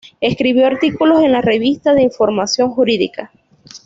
Escribió artículos en la "Revista de Información Jurídica".